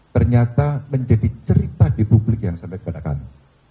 ternyata menjadi cerita di publik yang sampai kepada kami